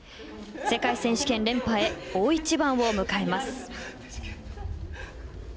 世界選手権連覇へ大一番を迎えます。